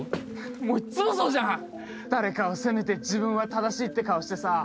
もういっつもそうじゃん誰かを責めて自分は正しいって顔してさ